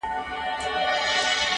o لکه چرگ، غول خوري، مشوکه څنډي!